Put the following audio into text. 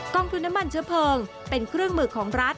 องทุนน้ำมันเชื้อเพลิงเป็นเครื่องมือของรัฐ